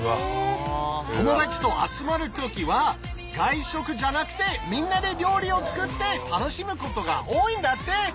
友達と集まる時は外食じゃなくてみんなで料理を作って楽しむことが多いんだって！